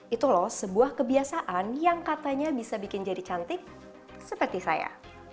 itu loh sebuah kebiasaan yang katanya bisa bikin jadi cantik seperti saya